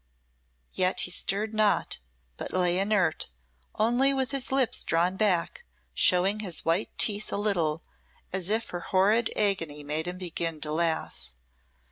Yet he stirred not, but lay inert, only with his lips drawn back, showing his white teeth a little, as if her horrid agony made him begin to laugh.